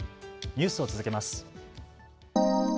ニュースを続けます。